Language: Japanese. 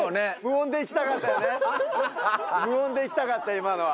無音でいきたかった今のは。